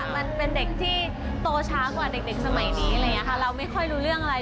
มันเป็นเด็กที่โตช้ากว่าเด็กสมัยนี้เราไม่ค่อยรู้เรื่องอะไร